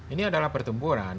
ini adalah pertempuran